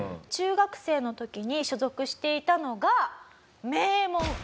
中学生の時に所属していたのが。